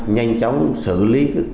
nhanh chóng xử lý